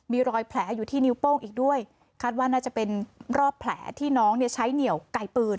มีรอยแผลอยู่ที่นิ้วโป้งอีกด้วยคาดว่าน่าจะเป็นรอบแผลที่น้องเนี่ยใช้เหนียวไกลปืน